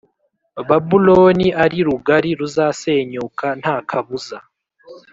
Babuloni ari rugari ruzasenyuka nta kabuza